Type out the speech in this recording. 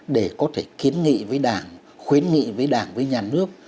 để có thể kiến nghị với đảng khuyến nghị với đảng với nhà nước